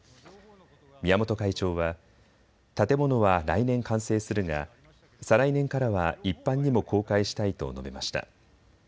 宮本会長は、建物は来年完成するが再来年からは一般にも公開したいと述べました。